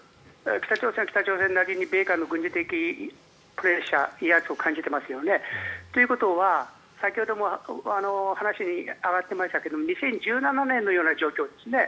北朝鮮は北朝鮮なりに米韓の軍事的プレッシャー威圧を感じていますよね。ということは先ほども話に挙がっていましたが２０１７年のような状況ですね。